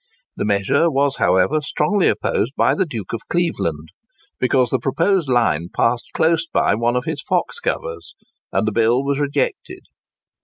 The measure was however, strongly opposed by the Duke of Cleveland, because the proposed line passed close by one of his fox covers; and the bill was rejected.